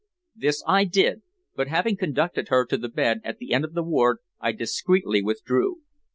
This I did, but having conducted her to the bed at the end of the ward I discreetly withdrew.